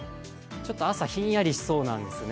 朝、ひんやりしそうなんですね。